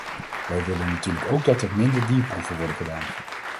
Wij willen natuurlijk ook dat er minder dierproeven worden gedaan.